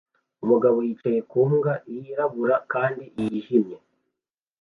Umugabo yicaye ku mbwa yirabura kandi yijimye